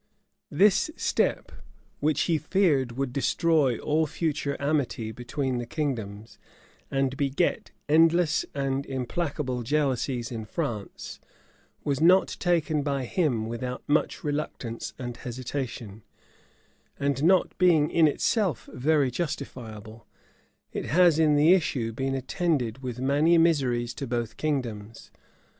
This step, which he feared would destroy all future amity between the kingdoms, and beget endless and implacable jealousies in France, was not taken by him without much reluctance and hesitation: and not being in itself very justifiable, it has in the issue been attended with many miseries to both kingdoms.